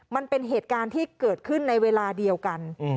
มันเป็นเหตุการณ์ที่เกิดขึ้นในเวลาเดียวกัน